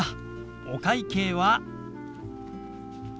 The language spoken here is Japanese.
お会計は。